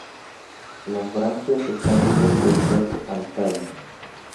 Las branquias están libres de apego al tallo.